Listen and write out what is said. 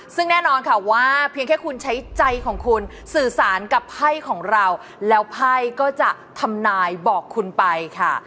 ซึ่งแน่นอนค่ะว่าเพียงแค่คุณใช้ใจของคุณสื่อสารกับไพ่ของเราแล้วไพ่ก็จะทำนายบอกคุณไปค่ะ